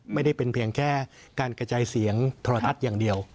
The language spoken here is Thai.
ไม่ได้เป็นเพียงแค่การกระจายเสียงโทรทัศน์อย่างเดียว